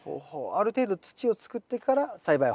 ある程度土をつくってから栽培を始めると。